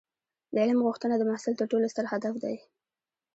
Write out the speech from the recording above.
د علم غوښتنه د محصل تر ټولو ستر هدف دی.